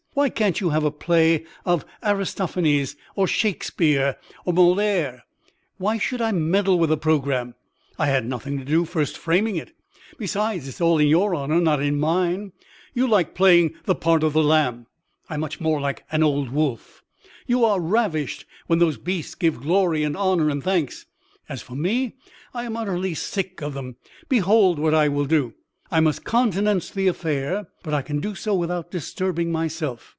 Why can't you have a play of Aristophanes, or Shakespeare, or Molière? Why should I meddle with the programme? I had nothing to do with first framing it. Besides, it is all in your honor, not in mine. You like playing the part of the Lamb; I'm much more like an old wolf. You are ravished when those beasts give glory and honour and thanks; as for me, I am utterly sick of them. Behold what I will do; I must countenance the affair, but I can do so without disturbing myself.